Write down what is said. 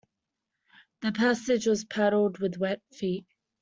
The passage was paddled with wet feet.